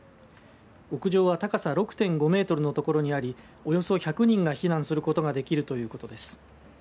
屋上は高さ６．５メートルの所にありおよそ１００人が避難することができるということです。